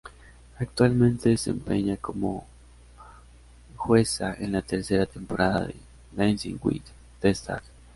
Actualmente se desempeña como jueza en la tercera temporada de Dancing with the stars.